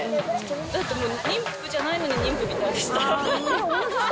だって妊婦じゃないのに妊婦みたいでした。